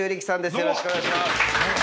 よろしくお願いします。